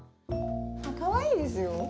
あっかわいいですよ。